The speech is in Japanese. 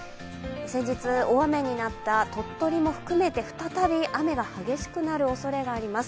先日、大雨になった鳥取も含めて、再び雨が激しくなるおそれがあります。